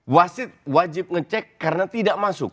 wasit wajib ngecek karena tidak masuk